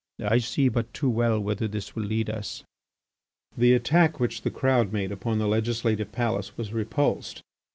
I see but too well whither this will lead us." The attack which the crowd made upon the legislative palace was repulsed.